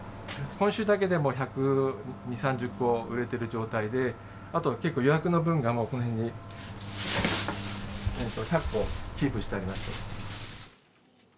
今週だけでもう１２０、３０個、売れてる状態で、あとは結構予約の分が、この辺に１００個キープしてあります。